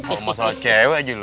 kalau soal cewek aja loh